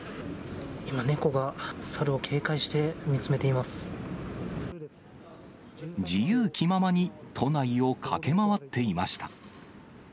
今、猫が猿を警戒して見つめてい自由気ままに、都内を駆け回っていました。